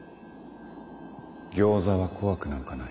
ギョーザは怖くなんかない。